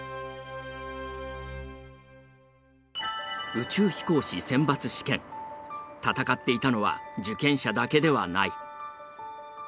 宇宙飛行士選抜試験闘っていたのは受験者だけではない。